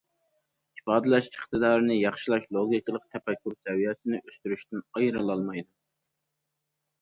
ئىپادىلەش ئىقتىدارىنى ياخشىلاش لوگىكىلىق تەپەككۇر سەۋىيەسىنى ئۆستۈرۈشتىن ئايرىلالمايدۇ.